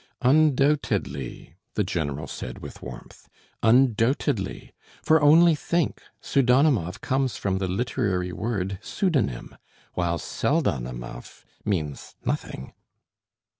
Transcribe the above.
"Un doubted ly," the general said with warmth, "un doubted ly; for only think, Pseudonimov comes from the literary word pseudonym, while Pseldonimov means nothing."